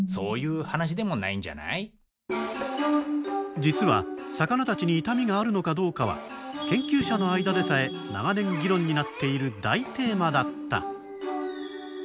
実は魚たちに痛みがあるのかどうかは研究者の間でさえ長年議論になっている大テーマだった！